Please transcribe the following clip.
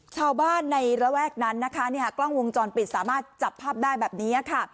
ชาวบ้านในระแวกนั้นนะคะกล้องวงจรปิดสามารถจับภาพได้แบบนี้ค่ะ